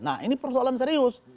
nah ini persoalan serius